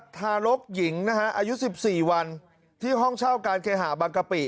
ทารกหญิงนะฮะอายุ๑๔วันที่ห้องเช่าการเคหาบางกะปิ